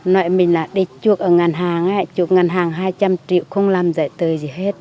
nói mình là đi chuộc ở ngân hàng chuộc ngân hàng hai trăm linh triệu không làm giải tờ gì hết